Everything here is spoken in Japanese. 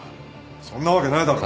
そんなわけないだろう。